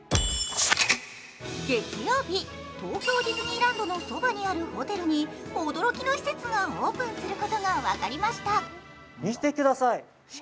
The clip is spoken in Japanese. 月曜日、東京ディズニーランドのそばにあるホテルに驚きの施設がオープンすることが分かりました。